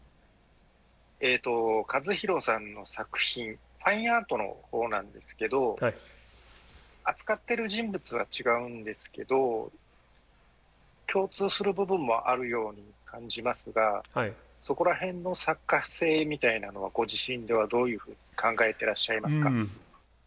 カズ・ヒロさんの作品ファインアートのほうなんですけど扱ってる人物は違うんですけど共通する部分もあるように感じますがそこら辺の作家性みたいなのはご自身ではどういうふうに考えてらっしゃいますか？